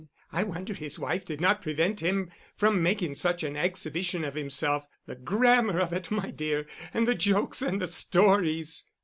I wonder his wife did not prevent him from making such an exhibition of himself. The grammar of it, my dear; and the jokes, and the stories!!!"